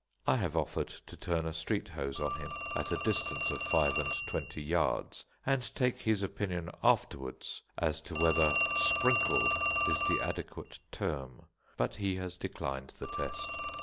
I have offered to turn a street hose on him at a distance of five and twenty yards, and take his opinion afterwards, as to whether "sprinkled" is the adequate term, but he has declined the test.